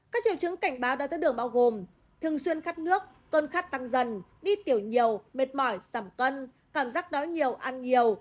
các triệu chứng cảnh báo đáy thái đường bao gồm thường xuyên khát nước cơn khát tăng dần đi tiểu nhiều mệt mỏi giảm cân cảm giác đói nhiều ăn nhiều